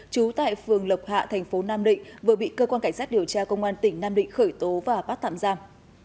trú tại phường lộc hạ thành phố nam định vừa bị cơ quan cảnh sát điều tra công an tỉnh nam định khởi tố và bắt tạm giam